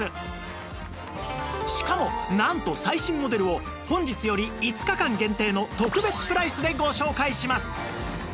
しかもなんと最新モデルを本日より５日間限定の特別プライスでご紹介します！